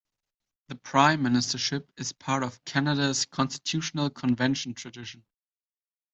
The prime ministership is part of Canada's constitutional convention tradition.